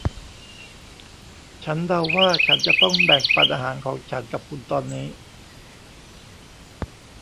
ฉันเดาว่าฉันจะต้องแบ่งปันอาหารของฉันกับคุณตอนนี้